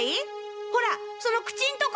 ほらその口んとこ！